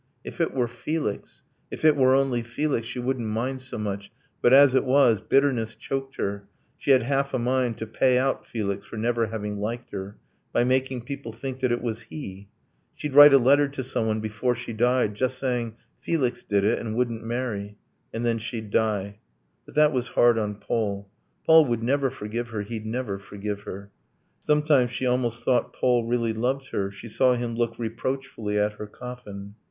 If it were Felix! If it were only Felix! She wouldn't mind so much. But as it was, Bitterness choked her, she had half a mind To pay out Felix for never having liked her, By making people think that it was he ... She'd write a letter to someone, before she died, Just saying 'Felix did it and wouldn't marry.' And then she'd die ... But that was hard on Paul ... Paul would never forgive her he'd never forgive her! Sometimes she almost thought Paul really loved her ... She saw him look reproachfully at her coffin.